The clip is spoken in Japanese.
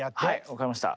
分かりました。